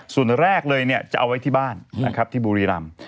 ส่วนแรกเลยเนี่ยจะเอาไว้ที่บ้านนะครับที่บุรีรำ